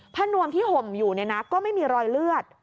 พระนวมที่ห่มอยู่ก็ไม่มีรอยเลือด